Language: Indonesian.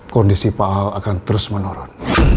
kondisi pak aldebaran akan terus menurun